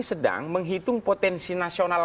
sedang menghitung potensi nasional